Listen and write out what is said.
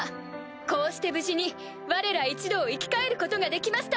こうして無事にわれら一同生き返ることができました！